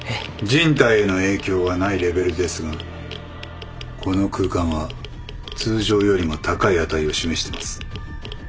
人体への影響はないレベルですがこの空間は通常よりも高い値を示してます。